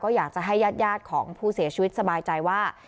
อยากจะให้ญาติของผู้เสียชีวิตสบายใจว่า